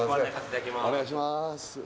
お願いします